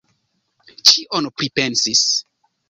Ĉion pripensis.